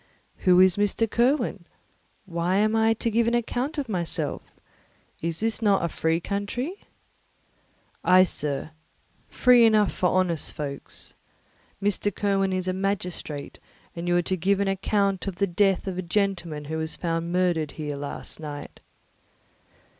"Who is Mr. Kirwin? Why am I to give an account of myself? Is not this a free country?" "Ay, sir, free enough for honest folks. Mr. Kirwin is a magistrate, and you are to give an account of the death of a gentleman who was found murdered here last night."